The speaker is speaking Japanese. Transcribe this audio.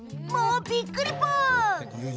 びっくりぽん！